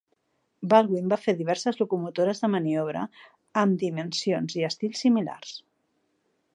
Baldwin va fer diverses locomotores de maniobra amb dimensions i estils similars.